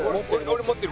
俺持ってる。